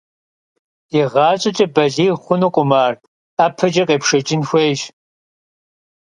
Игъащӏэкӏэ балигъ хъунукъым ар, ӀэпэкӀэ къепшэкӀын хуейщ.